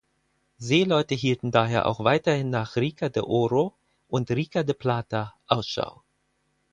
Seeleute hielten daher auch weiterhin nach Rica de Oro und Rica de Plata Ausschau.